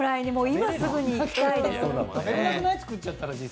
実際に作っちゃったら。